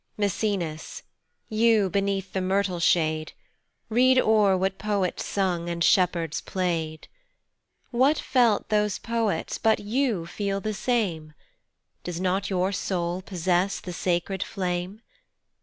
MAECENAS, you, beneath the myrtle shade, Read o'er what poets sung, and shepherds play'd. What felt those poets but you feel the same? Does not your soul possess the sacred flame?